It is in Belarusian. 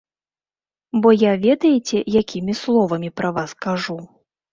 Бо я ведаеце якімі словамі пра вас кажу.